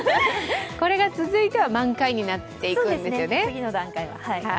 これが続いて満開になっていくんですよね。